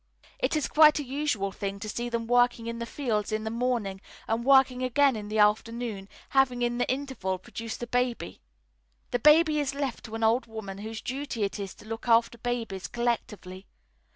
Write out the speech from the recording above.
It is quite a usual thing to see them working in the fields in the morning, and working again in the afternoon, having in the interval produced a baby. The baby is left to an old woman whose duty it is to look after babies collectively.